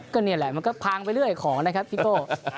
ก็นี่แหละมันก็พังไปเรื่อยของนะครับพี่โก้